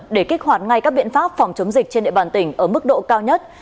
để kích hoạt ngay các biện pháp phòng chống dịch trên địa bàn tỉnh ở mức độ cao nhất